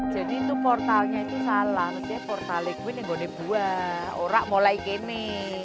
jadi itu portalnya itu salah dia portal iklimnya gode buah orang mulai kini